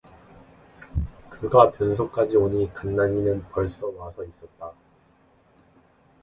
그가 변소까지 오니 간난이는 벌써 와서 있었다.